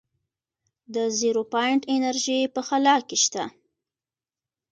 د زیرو پاینټ انرژي په خلا کې شته.